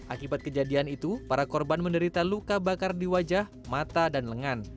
akibat kejadian itu para korban menderita luka bakar di wajah mata dan lengan